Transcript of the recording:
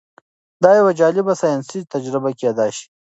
دا یوه جالبه ساینسي تجربه کیدی شي.